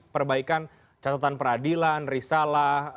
perbaikan catatan peradilan risalah